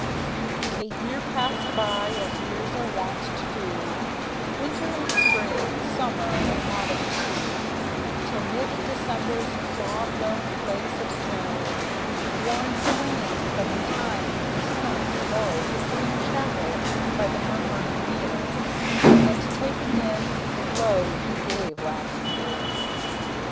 A year passed by, as years are wont to do, Winter and spring, summer and autumn too, Till mid December's flaw blown flakes of snow Warned Gawayne that the time was come to go To the Green Chapel by the Murmuring Mere, And take again the blow he gave last year.